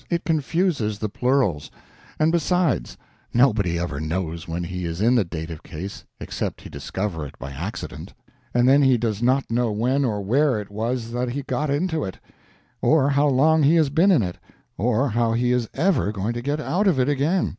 It confuses the plurals; and, besides, nobody ever knows when he is in the Dative case, except he discover it by accident and then he does not know when or where it was that he got into it, or how long he has been in it, or how he is ever going to get out of it again.